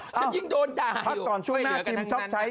พักก่อนช่วงหน้าจิมชอบใช้